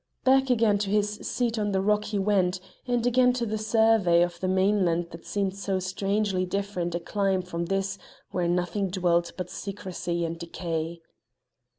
Back again to his seat on the rock he went, and again to the survey of the mainland that seemed so strangely different a clime from this where nothing dwelt but secrecy and decay.